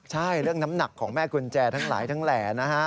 ใช่เรื่องน้ำหนักของแม่กุญแจทั้งหลายทั้งแหล่นะฮะ